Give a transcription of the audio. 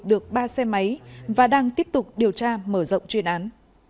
được ba xe máy và đang tiếp tục điều tra mở rộng chuyên án